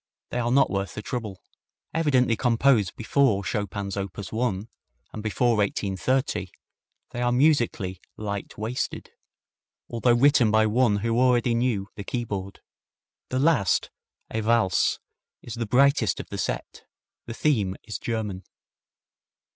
They are not worth the trouble. Evidently composed before Chopin's op. 1 and before 1830, they are musically light waisted, although written by one who already knew the keyboard. The last, a valse, is the brightest of the set. The theme is German.